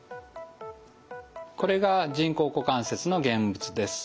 これが人工股関節の現物です。